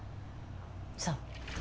そう。